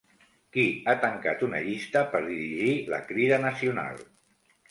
Qui ha tancat una llista per dirigir la Crida Nacional?